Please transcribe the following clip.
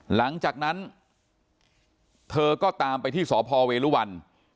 หลังจากนั้นเธอก็ตามไปที่สพเวรุวัน